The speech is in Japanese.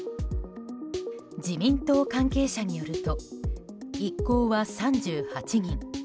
自民党関係者によると一行は３８人。